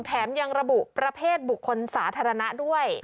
แถมยังระบุประเภทบุคคลสาธารณะด้วย